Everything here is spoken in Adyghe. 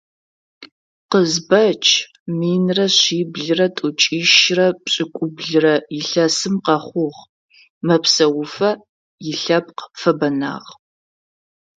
Къызбэч минрэ шъиблрэ тӀокӀищырэ пшӀыкӀублырэ илъэсым къэхъугъ, мэпсэуфэ илъэпкъ фэбэнагъ.